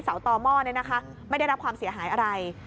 เสาต่อหม้อเนี่ยนะคะไม่ได้รับความเสียหายอะไร